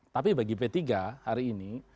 tapi bagi p tiga hari ini